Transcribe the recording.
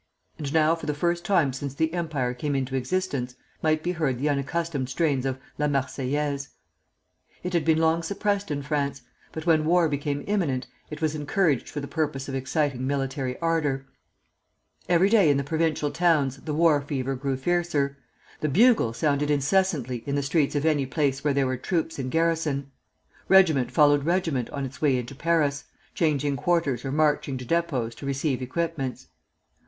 And now, for the first time since the Empire came into existence, might be heard the unaccustomed strains of the "Marseillaise." It had been long suppressed in France; but when war became imminent, it was encouraged for the purpose of exciting military ardor. [Footnote 1: Erckmann Chatrian, La Plébiscite.] Every day in the provincial towns the war fever grew fiercer. The bugle sounded incessantly in the streets of any place where there were troops in garrison. Regiment followed regiment on its way into Paris, changing quarters or marching to depots to receive equipments.